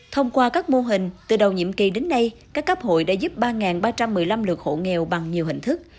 thông qua các mô hình từ đầu nhiệm kỳ đến nay các cấp hội đã giúp ba ba trăm một mươi năm lượt hộ nghèo bằng nhiều hình thức